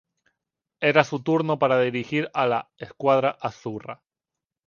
Era su turno para dirigir a la "Squadra Azzurra".